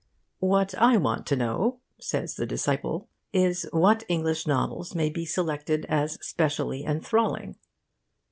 'What I want to know,' says the disciple, 'is, what English novels may be selected as specially enthralling.